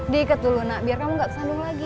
diikat dulu nak biar kamu gak sandung lagi